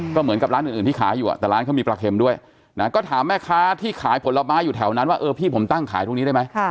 ก็เหมือนกับร้านอื่นที่ขายอยู่แต่ร้านเขามีปลาเค็มด้วยนะก็ถามแม่ค้าที่ขายผลไม้อยู่แถวนั้นว่าเออพี่ผมตั้งขายตรงนี้ได้ไหม